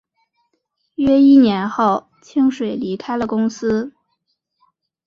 约一年后清水离开了公司。